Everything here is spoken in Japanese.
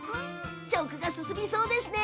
食が進みそうですね。